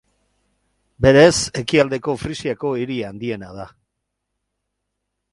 Berez, Ekialdeko Frisiako hiri handiena da.